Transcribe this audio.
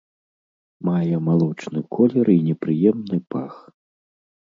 Мае малочны колер і непрыемны пах.